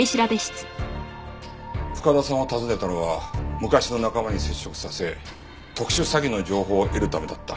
深田さんを訪ねたのは昔の仲間に接触させ特殊詐欺の情報を得るためだった。